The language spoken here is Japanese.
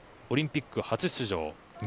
オリンピック初出場。